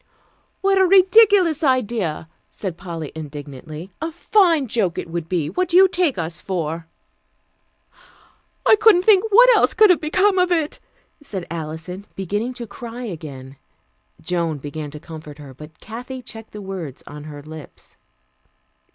"What a ridiculous idea," said Polly indignantly. "A fine joke it would be. What do you take us for?" "I couldn't think what else could have become of it," said Alison, beginning to cry again. Joan began to comfort her, but Kathy checked the words on her lips.